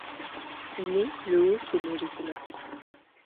Il est le haut sommet de ce massif.